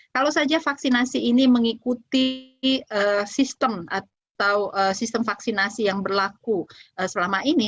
kalau saja vaksinasi ini mengikuti sistem atau sistem vaksinasi yang berlaku selama ini